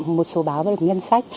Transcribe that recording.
một số báo về nhân sách